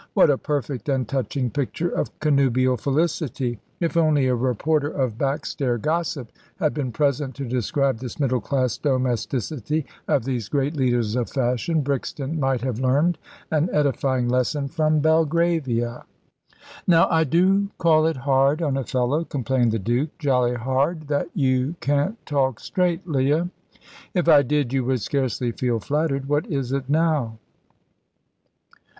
What a perfect and touching picture of connubial felicity! If only a reporter of backstair gossip had been present to describe this middle class domesticity of these great leaders of fashion, Brixton might have learned an edifying lesson from Belgravia. "Now I do call it hard on a fellow," complained the Duke "jolly hard that you can't talk straight, Leah." "If I did you would scarcely feel flattered. What is it now?"